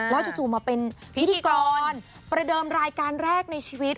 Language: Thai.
จู่มาเป็นพิธีกรประเดิมรายการแรกในชีวิต